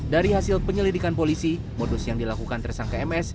dari hasil penyelidikan polisi modus yang dilakukan tersangka ms